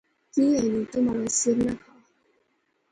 کی ایہہ نی، تو مہاڑا سر نہ کھا